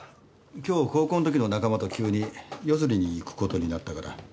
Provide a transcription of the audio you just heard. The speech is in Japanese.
今日高校の時の仲間と急に夜釣りに行く事になったから。